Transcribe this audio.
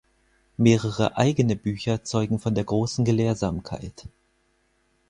Mehrere eigene Bücher zeugen von der großen Gelehrsamkeit.